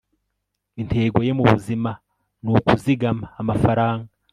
intego ye mubuzima nukuzigama amafaranga